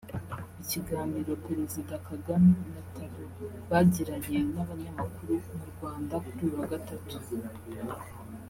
Ikiganiro Perezida Kagame na Talon bagiranye n’abanyamakuru mu Rwanda kuri uyu wa gatatu